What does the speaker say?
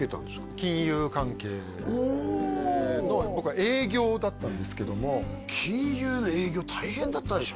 金融関係の僕は営業だったんですけども金融の営業大変だったでしょ？